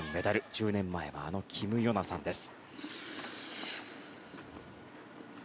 １０年前はあのキム・ヨナさんです。